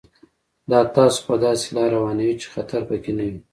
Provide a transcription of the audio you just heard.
دا تاسو په داسې لار روانوي چې خطر پکې نه وي.